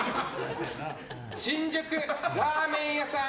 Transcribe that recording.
新宿、ラーメン屋さん